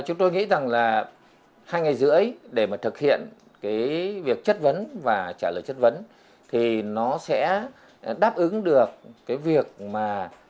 chúng tôi nghĩ rằng là hai ngày rưỡi để mà thực hiện cái việc chất vấn và trả lời chất vấn thì nó sẽ đáp ứng được cái việc mà